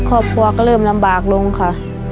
ครอบครัวก็เริ่มลำบากลงค่ะ